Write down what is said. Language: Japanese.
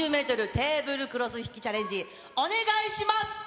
テーブルクロス引きチャレンジ、お願いします。